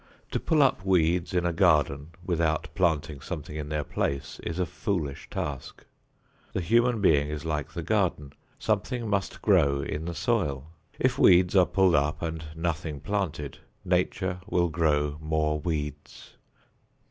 To pull up weeds in a garden without planting something in their place is a foolish task. The human being is like the garden. Something must grow in the soil. If weeds are pulled up and nothing planted Nature will grow more weeds.